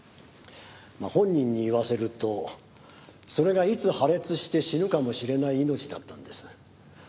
本人に言わせるとそれがいつ破裂して死ぬかもしれない命だったんです。